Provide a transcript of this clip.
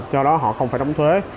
do đó họ không phải đóng thuế